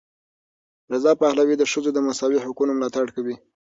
رضا پهلوي د ښځو د مساوي حقونو ملاتړ کوي.